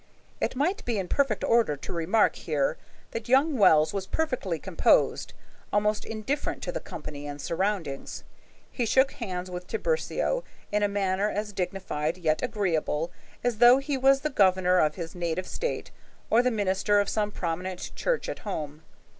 It might be in perfect order to remark here that young Wells was perfectly composed, almost indifferent to the company and surroundings. He shook hands with Tiburcio in a manner as dignified, yet agreeable, as though he was the governor of his native State or the minister of some prominent church at home.